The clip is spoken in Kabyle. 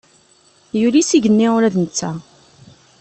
Yuli s igenni ula d netta.